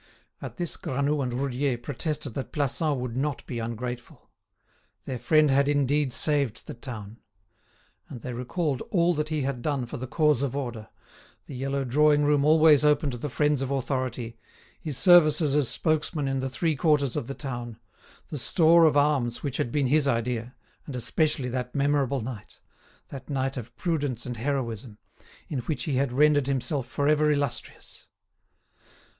At this Granoux and Roudier protested that Plassans would not be ungrateful. Their friend had indeed saved the town. And they recalled all that he had done for the cause of order: the yellow drawing room always open to the friends of authority, his services as spokesman in the three quarters of the town, the store of arms which had been his idea, and especially that memorable night—that night of prudence and heroism—in which he had rendered himself forever illustrious.